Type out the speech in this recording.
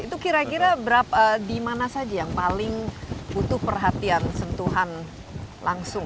itu kira kira di mana saja yang paling butuh perhatian sentuhan langsung